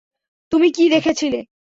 তুমি কি দেখেছিলে?